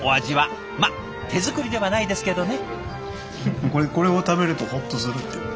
まあ手作りではないですけどね。